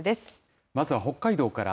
まずは北海道から。